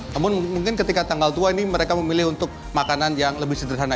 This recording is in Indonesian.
namun mungkin ketika tanggal tua ini mereka memilih untuk makanan yang lebih sederhana